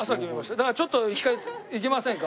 だからちょっと一回いきませんか？